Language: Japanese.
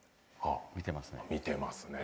見てますね。